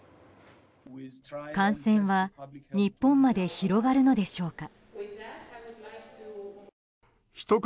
感染は日本まで広がるのでしょうか。